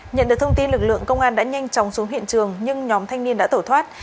nhận được thông tin lực lượng công an đã nhanh chóng xuống hiện trường nhưng nhóm thanh niên đã tổ thoát